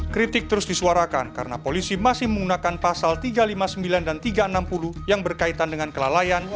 kritik terus disuarakan karena polisi masih menggunakan pasal tiga ratus lima puluh sembilan dan tiga ratus enam puluh yang berkaitan dengan kelalaian